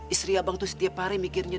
istri abang itu setiap hari mikirnya